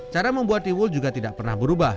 cara membuat tiwul juga tidak pernah berubah